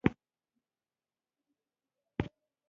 پر احمد مې پسه خرڅ کړ؛ خو پر سپين ډاګ يې غاښونه را واېستل.